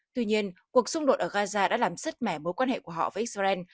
tuy nhiên cuộc xung đột ở gaza đã làm rất mẻ mối quan hệ của họ với israel